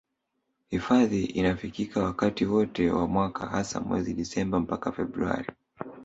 Hifadhi inafikika wakati wote wa mwaka hasa mwezi Disemba mpaka Februari